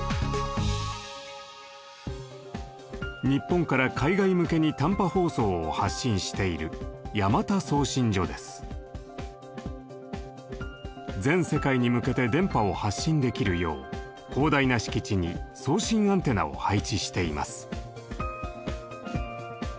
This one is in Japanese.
日本から海外向けに短波放送を発信している全世界に向けて電波を発信できるよう広大な敷地に送信アンテナを配置しています。